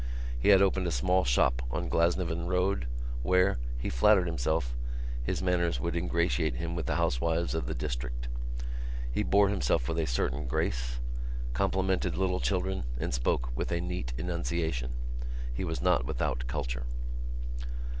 He had opened a small shop on Glasnevin Road where, he flattered himself, his manners would ingratiate him with the housewives of the district. He bore himself with a certain grace, complimented little children and spoke with a neat enunciation. He was not without culture.